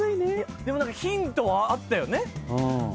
でもヒントはあったよね。